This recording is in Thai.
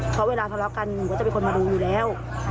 เพราะเวลาทะเลาะกันหนูก็จะเป็นคนมาดูอยู่แล้ว